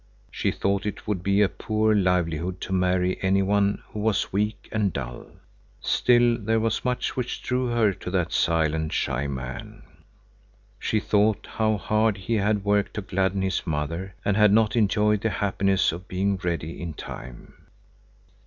She thought it would be a poor livelihood to marry any one who was weak and dull. Still, there was much which drew her to that silent, shy man. She thought how hard he had worked to gladden his mother and had not enjoyed the happiness of being ready in time.